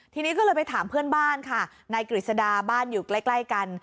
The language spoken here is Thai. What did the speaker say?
ทีนี้ก็เลยไปถามเพื่อนบ้านค่ะนายกฤษดาบ้านอยู่ใกล้กัน